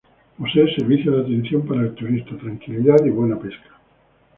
Posee servicio de atención para el turista, tranquilidad y buena pesca.